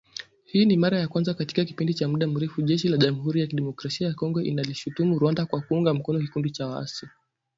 Hii ni mara ya kwanza katika kipindi cha muda mrefu, Jeshi la Jamhuri ya Kidemokrasia ya kongo linaishutumu Rwanda kwa kuunga mkono kikundi cha waasi